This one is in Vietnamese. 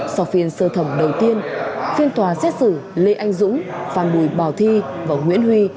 sau phiên sơ thẩm đầu tiên phiên tòa xét xử lê anh dũng phan bùi bảo thi và nguyễn huy